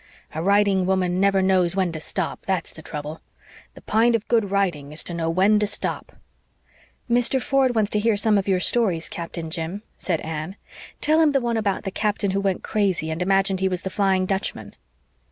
A writing woman never knows when to stop; that's the trouble. The p'int of good writing is to know when to stop." "Mr. Ford wants to hear some of your stories, Captain Jim" said Anne. "Tell him the one about the captain who went crazy and imagined he was the Flying Dutchman."